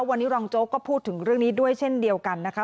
วันนี้รองโจ๊กก็พูดถึงเรื่องนี้ด้วยเช่นเดียวกันนะคะ